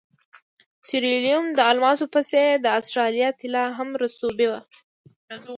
د سیریلیون د الماسو په څېر د اسټرالیا طلا هم رسوبي وه.